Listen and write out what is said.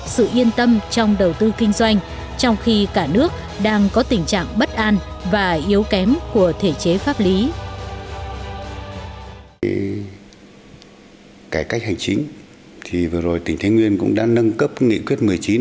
sự yên tâm trong đầu tư kinh doanh trong khi cả nước đang có tình trạng bất an và yếu kém của thể chế pháp lý